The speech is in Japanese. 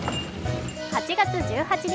８月１８日